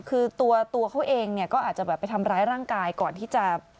คือตัวเขาเองเนี่ยก็อาจจะแบบไปทำร้ายร่างกายก่อนที่จะ